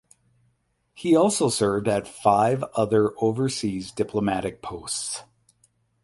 He also served at five other overseas diplomatic posts.